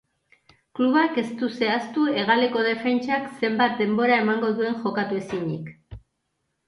Klubak ez du zehaztu hegaleko defentsak zenbat denbora emango duen jokatu ezinik.